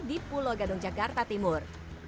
di pulau gadung jakarta timur